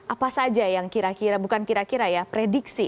apa saja yang kira kira bukan kira kira ya prediksi